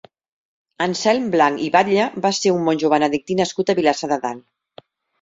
Anselm Blanch i Batlle va ser un monjo benedictí nascut a Vilassar de Dalt.